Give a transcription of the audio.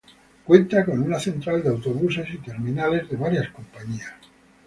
Cuenta con una Central de Autobuses y terminales de varias compañías.